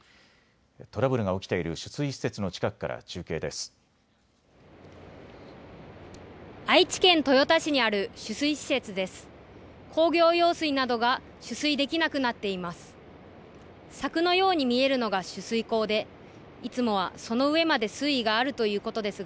トラブルが起きている取水施設の近くから中継です。